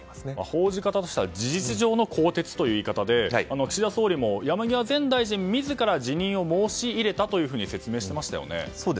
報じ方としては事実上の更迭という言い方で岸田総理も山際前大臣自ら辞任を申し入れたと説明していましたよね。